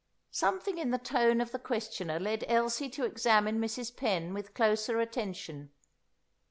Something in the tone of the questioner led Elsie to examine Mrs. Penn with closer attention.